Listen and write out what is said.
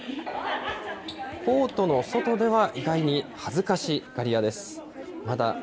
コートの外では意外に恥ずかしがり屋です。